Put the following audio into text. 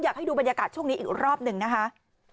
อยากให้ดูบรรยากาศช่วงนี้อีกรอบหนึ่งนะคะ